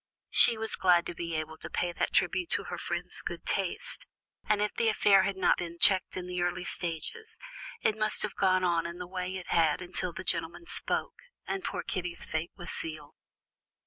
She was glad to be able to pay that tribute to her friend's good taste. And if the affair had not been checked in its early stages, it must have gone on in the way it had until the gentleman spoke, and poor Kitty's fate was sealed.